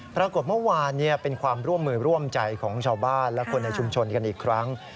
ปรากฏเมื่อวานเป็นความร่วมมือร่วมใจของชาวบ้านและคนในชุมชนกันอีกครั้ง